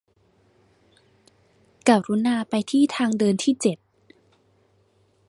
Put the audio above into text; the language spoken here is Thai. กรุณาไปที่ทางเดินที่เจ็ด